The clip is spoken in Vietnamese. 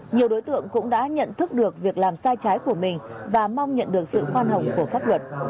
nhiều đối tượng cũng đã nhận thức được việc làm sai trái của mình và mong nhận được sự khoan hồng của pháp luật